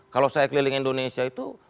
kalau saya keliling indonesia itu